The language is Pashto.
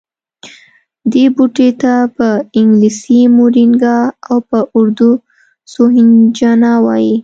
دې بوټي ته په انګلیسي مورینګا او په اردو سوهنجنا وايي